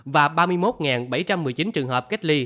và ba mươi một bảy trăm một mươi chín trường hợp cách ly